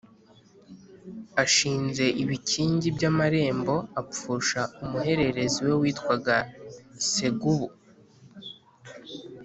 ashinze ibikingi by’amarembo apfusha umuhererezi we witwaga Segubu